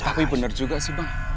tapi benar juga sih bang